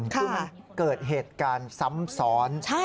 คือมันเกิดเหตุการณ์ซ้ำซ้อน